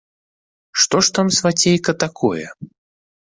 Што ж там, свацейка, такое?